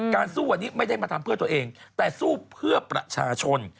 สู้วันนี้ไม่ได้มาทำเพื่อตัวเองแต่สู้เพื่อประชาชน